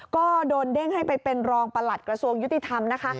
ก็โดนเด้งให้ไปเป็นรองประหลัดกระทรวงยุติธรรมนะคะ